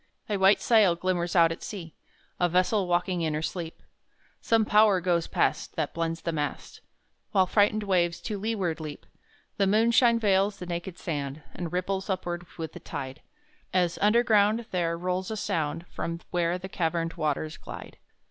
A white sail glimmers out at sea A vessel walking in her sleep; Some Power goes past That bends the mast, While frighted waves to leeward leap. The moonshine veils the naked sand And ripples upward with the tide, As underground there rolls a sound From where the caverned waters glide.